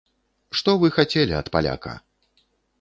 Што вы хацелі ад паляка.